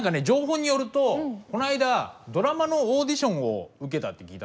情報によるとこの間ドラマのオーディションを受けたって。